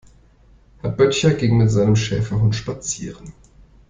Herr Böttcher ging mit seinem Schäferhund spazieren.